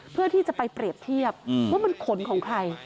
เพื่อที่จะไปเปรียบเทียบว่ามันขนของใคร